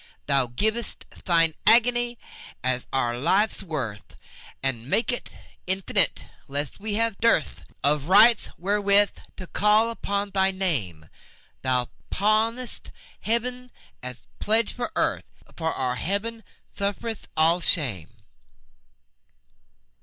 Thou giv'st Thine agony as our life's worth, And mak'st it infinite, lest we have dearthOf rights wherewith to call upon thy Name; Thou pawnest Heaven as a pledge for Earth, And for our glory sufferest all shame.